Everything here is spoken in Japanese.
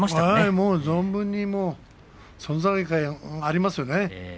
もう存分に存在感ありますよね。